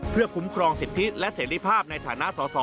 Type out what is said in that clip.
เพื่อคุ้มครองสิทธิและเสรีภาพในฐานะสอสอ